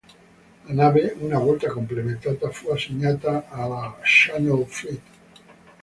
La nave, una volta completata, fu assegnata alla Channel Fleet.